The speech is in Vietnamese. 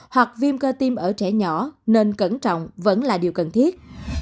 hoặc viêm cơ tim ở trẻ nhỏ nên cẩn trọng vẫn là điều cần thiết